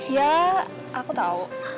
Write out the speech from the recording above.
ya aku tau